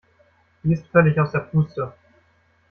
Sie ist völlig aus der Puste.